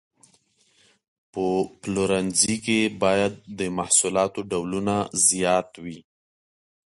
په پلورنځي کې باید د محصولاتو ډولونه زیات وي.